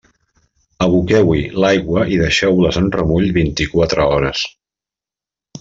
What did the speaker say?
Aboqueu-hi l'aigua i deixeu-les en remull vint-i-quatre hores.